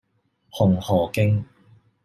紅荷徑